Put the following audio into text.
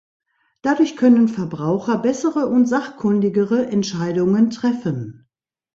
Dadurch können Verbraucher bessere und sachkundigere Entscheidungen treffen.